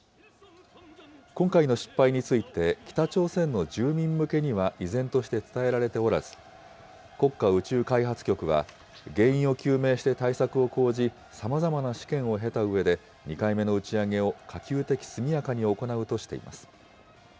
今回の失敗について、北朝鮮の住民向けには依然として伝えられておらず、国家宇宙開発局は、原因を究明して対策を講じ、さまざまな試験を経たうえで、２回目の打ち上げを可及的速やかに行うとしています。